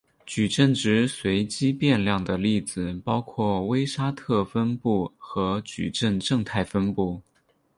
矩阵值随机变量的例子包括威沙特分布和矩阵正态分布。